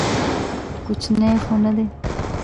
کوچنى خو نه دى.